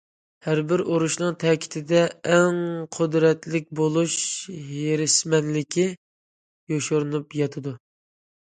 ھەربىر ئۇرۇشنىڭ تەكتىدە« ئەڭ قۇدرەتلىك بولۇش ھېرىسمەنلىكى» يوشۇرۇنۇپ ياتىدۇ.